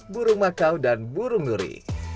burung makau dan burung duri